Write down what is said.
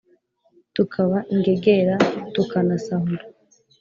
Tukaba ingegera tukanasahura